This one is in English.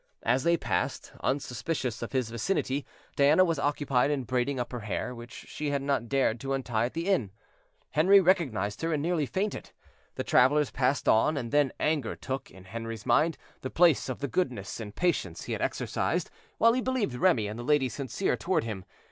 As they passed, unsuspicious of his vicinity, Diana was occupied in braiding up her hair, which she had not dared to untie at the inn. Henri recognized her, and nearly fainted. The travelers passed on, and then anger took, in Henri's mind, the place of the goodness and patience he had exercised, while he believed Remy and the lady sincere toward him.